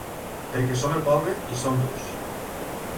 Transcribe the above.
Perquè som el poble i som durs!